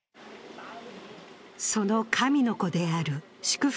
その神の子である祝福